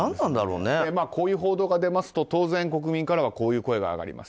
こういう報道が出ますと当然、国民からはこういう声が上がります。